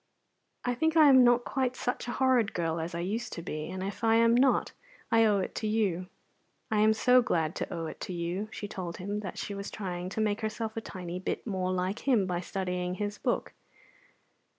I think I am not quite such a horrid girl as I used to be; and if I am not, I owe it to you. I am so glad to owe it to you." She told him that she was trying to make herself a tiny bit more like him by studying his book.